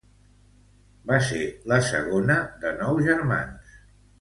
Va ser la segona de nou germans.